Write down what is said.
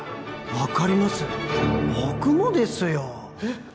分かります僕もですよえっ！？